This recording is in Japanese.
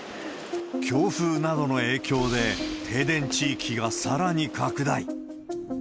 強風などの影響で、停電地域がさらに拡大。